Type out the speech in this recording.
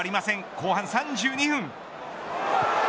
後半３２分。